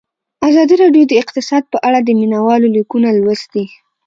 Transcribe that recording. ازادي راډیو د اقتصاد په اړه د مینه والو لیکونه لوستي.